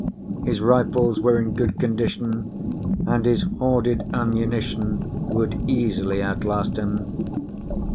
His rifles were in good condition and his hoarded ammunition would easily outlast him.